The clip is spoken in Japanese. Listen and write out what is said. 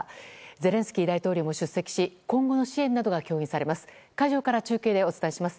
ゼレンスキー大統領も出席し今後の支援などが協議されます。